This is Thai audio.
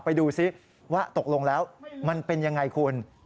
ไปดูซิว่าตกลงแล้วมันเป็นยังไงคุณ